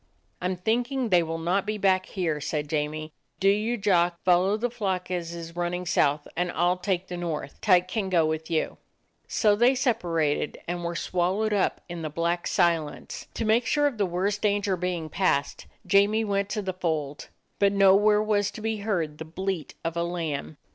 "I 'm thinking they will not be back here," said Jamie. "Do you, Jock, follow the flock 88 A DOG OF THE ETTRICK HILLS as is running south ; and I 'll take the north. Tyke can go with you." So they separated, and were swallowed up in the black silence. To make sure of the worst danger being passed, Jamie went to the fold, but nowhere was to be heard the bleat of a lamb.